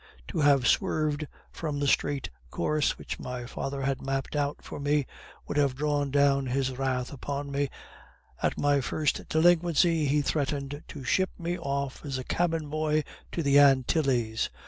To have swerved from the straight course which my father had mapped out for me, would have drawn down his wrath upon me; at my first delinquency, he threatened to ship me off as a cabin boy to the Antilles.